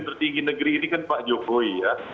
tertinggi negeri ini kan pak jokowi ya